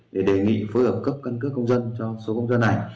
để đề nghị phối hợp cấp căn cước công dân cho số công dân này